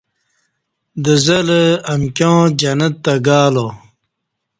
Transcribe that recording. دزہ لہ امکیاں جنت تہ گالو